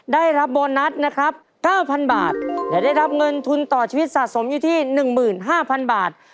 ได้รับโบนัสนะครับ๙๐๐บาทและได้รับเงินทุนต่อชีวิตสะสมอยู่ที่๑๕๐๐๐บาท